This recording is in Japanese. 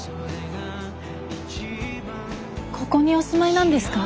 ここにお住まいなんですか？